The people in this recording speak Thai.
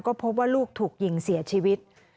ก็พบว่าลูกถูกยิงเสียชีวิต